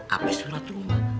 atau surat rumah